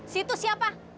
si itu siapa